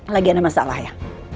lagi ada masalah ya